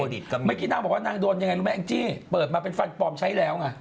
เมื่อกี้นายบอกว่านายโดดยังไงหรือไม่อังจิเปิดมาเป็นฟันปลอมใช้แล้ว